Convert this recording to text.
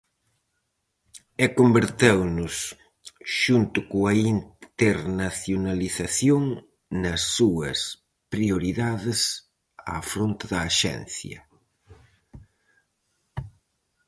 E converteunos, xunto coa internacionalización, nas súas prioridades á fronte da Axencia.